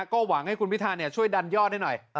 ก็หวังให้คุณพิธาช่วยดันยอดให้หน่อย